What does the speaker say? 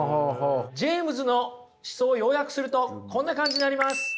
ジェイムズの思想を要約するとこんな感じになります。